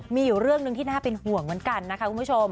มีอยู่เรื่องหนึ่งที่น่าเป็นห่วงเหมือนกันนะคะคุณผู้ชม